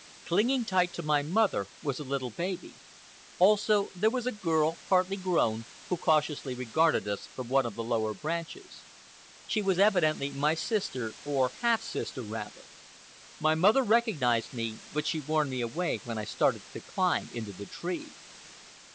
Clinging tight to my mother was a little baby. Also, there was a girl, partly grown, who cautiously regarded us from one of the lower branches. She was evidently my sister, or half sister, rather. My mother recognized me, but she warned me away when I started to climb into the tree.